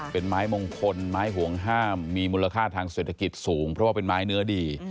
เป็นไม้มงคลไม้ห่วงห้ามมีมูลค่าทางเศรษฐกิจสูงเพราะว่าเป็นไม้เนื้อดี